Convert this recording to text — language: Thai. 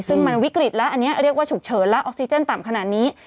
ซึ่งมันวิกฤตแล้วอันนี้เรียกว่าฉุกเฉินแล้วออกซิเจนต่ำขนาดนี้